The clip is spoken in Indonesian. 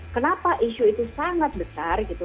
kenapa isu itu sangat besar gitu